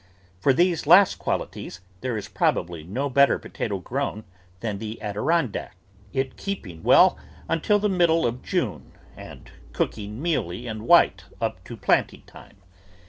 For these last qualities there is probably no better potato grown than the Adirondack, it keeping well until the middle of June and cooking mealy and white up to planting time.